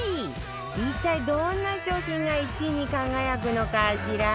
一体どんな商品が１位に輝くのかしら？